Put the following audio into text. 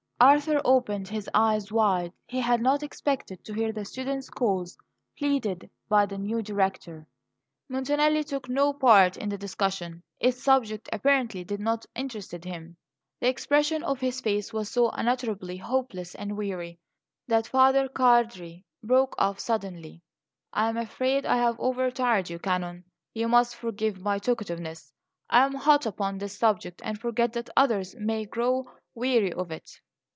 Arthur opened his eyes wide; he had not expected to hear the students' cause pleaded by the new Director. Montanelli took no part in the discussion; its subject, apparently, did not interest him. The expression of his face was so unutterably hopeless and weary that Father Cardi broke off suddenly. "I am afraid I have overtired you, Canon. You must forgive my talkativeness; I am hot upon this subject and forget that others may grow weary of it."